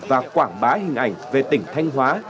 và quảng bá hình ảnh về tỉnh thanh hóa